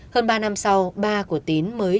hơn ba năm sau ba của tín mới